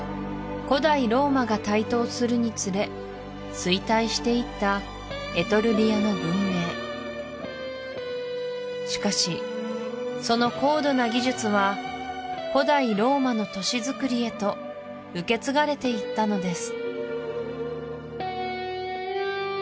古代ローマが台頭するにつれ衰退していったエトルリアの文明しかしその高度な技術は古代ローマの都市づくりへと受け継がれていったのです